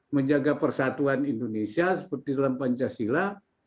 menjaga persatuan indonesia seperti dalam pancasila